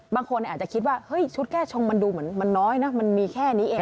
บางคนอาจจะคิดว่าเฮ้ยชุดแก้ชงมันดูเหมือนมันน้อยนะมันมีแค่นี้เอง